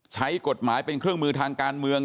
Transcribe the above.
ใช้กฎหมายเป็นเครื่องมือทางการเมือง